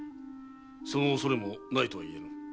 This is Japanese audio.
その恐れもないとは言えん。